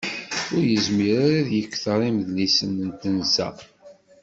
Ur yezmir ara ad d-yekter imedlisen n tensa.